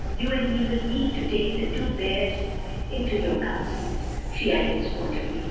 You and he will need to take the two bears into your counsels," she added sportively.